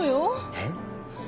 えっ？